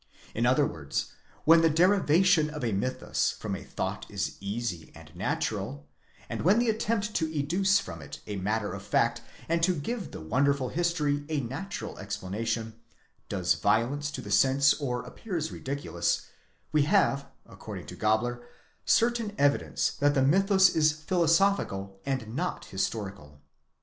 In other words: when the deri vation of a mythus from a thought is easy and natural, and when the attempt to educe from it a matter of fact and to give the wonderful history a natural explanation, does violence to the sense or appears ridiculous, we have, accord ing to Gabler, certain evidence that the mythus is philosophical and not historical.